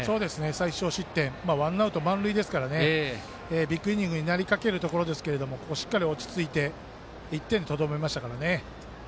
最少失点ワンアウト、満塁ですからビッグイニングになりかけるところですけど落ち着いて１点でとどめましたからね。